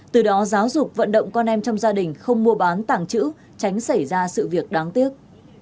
từ đó giáo dục vận động con em trong gia đình không mua bán tàng trữ tránh xảy ra sự việc đáng tiếc